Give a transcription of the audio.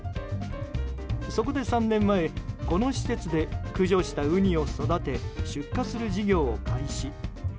そこで３年前この施設で駆除したウニを育て出荷する事業を開始。